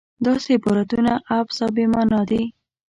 داسې عبارتونه عبث او بې معنا دي.